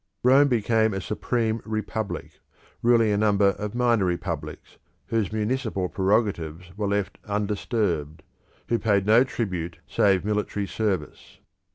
Rome became a supreme republic, ruling a number of minor republics, whose municipal prerogatives were left undisturbed, who paid no tribute save military service.